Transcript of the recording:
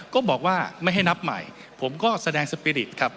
ก็บอกว่าไม่ให้นับใหม่ผมก็แสดงสปีริตครับ